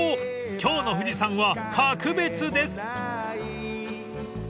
今日の富士山は格別です］